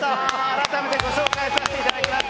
改めてご紹介させていただきます。